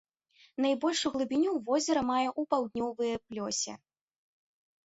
Найбольшую глыбіню возера мае ў паўднёвыя плёсе.